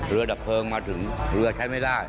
ดับเพลิงมาถึงเรือใช้ไม่ได้